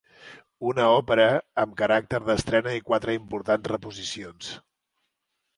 Una òpera amb caràcter d'estrena i quatre importants reposicions.